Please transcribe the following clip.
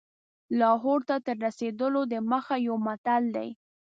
لاهور ته تر رسېدلو دمخه یو متل دی.